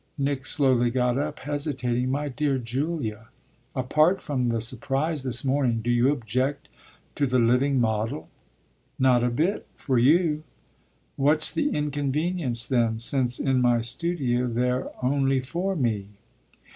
Nick slowly got up, hesitating. "My dear Julia, apart from the surprise this morning, do you object to the living model?" "Not a bit, for you." "What's the inconvenience then, since in my studio they're only for me?"